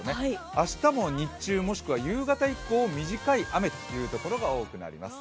明日も日中もしくは夕方以降短い雨というところが多くなります。